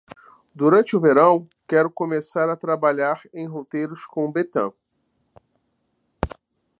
Durante o verão, quero começar a trabalhar em roteiros com Bethan.